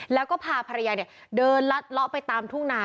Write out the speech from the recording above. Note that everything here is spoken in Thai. แล้วก็พาภรรยาเดินลัดเลาะไปตามทุ่งนา